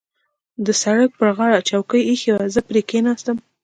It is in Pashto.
د سړک پر غاړه چوکۍ اېښې وې چې زه پرې کېناستم.